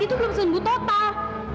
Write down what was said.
itu belum sembuh total